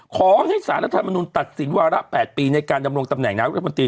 ขอให้สารรัฐมนุนตัดสินว่าระ๘ปีในการดำรวงตำแหน่งนาฬิกาภัตริย์